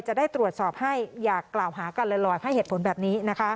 จะได้ตรวจสอบให้อย่ากล่าวหากันลอยให้เหตุผลแบบนี้นะคะ